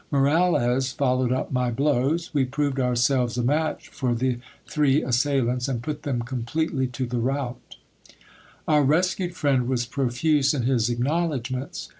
Moralez followed up my blows. We proved ourselves a match for the three assailants, and put them completely to the rout. Our rescued friend was profuse in his acknowledgments.